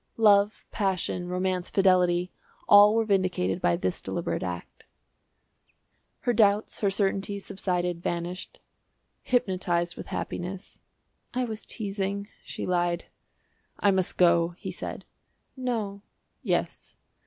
Love, passion, romance, fidelity all were vindicated by this deliberate act. Her doubts, her certainties, subsided, vanished hypnotised with happiness. "I was teasing," she lied. "I must go," he said. "No." "Yes."